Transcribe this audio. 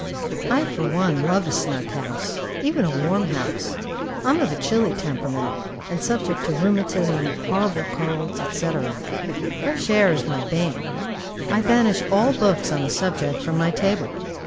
I, for one, love a snug house, even a warm house. I am of a chilly temperament, and subject to rheumatism, horrible colds, &c. Fresh air is my bane. I banish all books on the subject from my table.